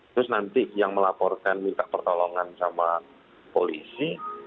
terus nanti yang melaporkan minta pertolongan sama polisi